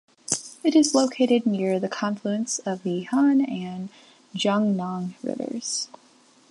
It is located near the confluence of the Han and Jungnang Rivers.